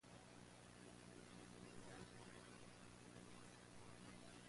Transmitted waves have no phase shift.